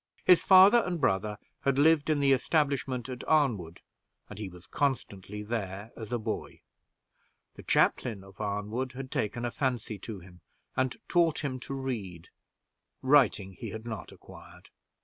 His father and brother had lived in the establishment at Arnwood, and he was constantly there as a boy The chaplain of Arnwood had taken a fancy to him, and taught him to read writing he had not acquired.